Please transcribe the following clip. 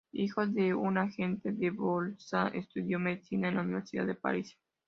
Hijo de un agente de Bolsa, estudió medicina en la Universidad de París.